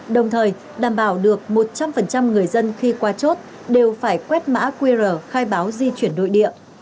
đồng thời đảm bảo được một trăm linh người dân khi qua chốt đều phải quét mã qr khai báo di chuyển nội địa